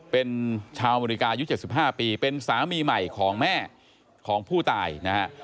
เป็นชาวอเมริกายุ๗๕ปีเป็นสามีใหม่ของแม่ของผู้ตายนะฮะ